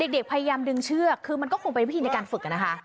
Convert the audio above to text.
เด็กพยายามดึงเชือกคือมันก็คงเป็นวิธีในการฝึกนะคะ